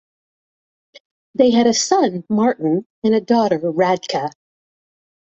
They had a son, Martin, and daughter, Radka.